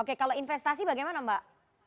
oke kalau investasi bagaimana mbak